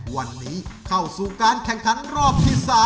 วันนี้เข้าสู่การแข่งขันรอบที่๓